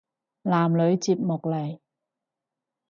男女節目嚟